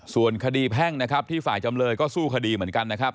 ส่วนคดีแพ่งนะครับที่ฝ่ายจำเลยก็สู้คดีเหมือนกันนะครับ